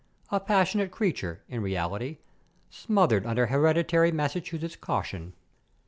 A passionate creature, in reality, smothered under hereditary Massachusetts caution.